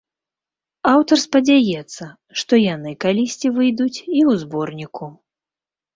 Аўтар спадзяецца, што яны калісьці выйдуць і ў зборніку.